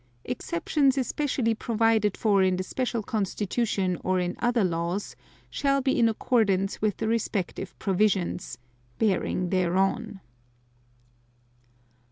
Exceptions especially provided for in the present Constitution or in other laws, shall be in accordance with the respective provisions (bearing thereon).